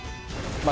まあ